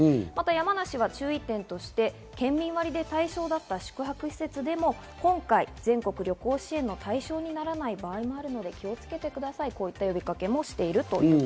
山梨は注意点として、県民割で対象だった宿泊施設でも今回、全国旅行支援の対象にならない場合もあるので気をつけてくださいと呼びかけています。